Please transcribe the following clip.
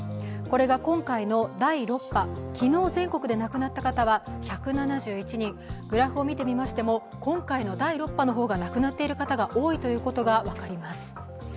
これが今回の第６波で１７１人、グラフを見てみましても今回の第６波の方が、亡くなっている方が多いということが分かります。